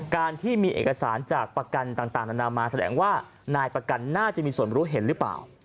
การที่มีเอกสารจากประกันต่างนานามาแสดงว่านายประกันน่าจะมีส่วนรู้เห็นหรือเปล่า